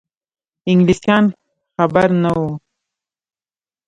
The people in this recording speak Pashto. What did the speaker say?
انګلیسیان خبر نه وه.